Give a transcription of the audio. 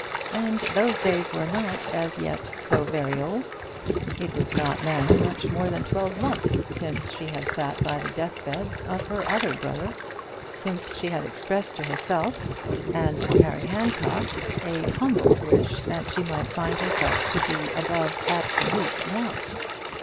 And those days were not, as yet, so very old. It was now not much more than twelve months since she had sat by the deathbed of her other brother, since she had expressed to herself, and to Harry Handcock, a humble wish that she might find herself to be above absolute want.